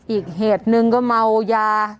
อีกเหตุหนึ่งก็เมายา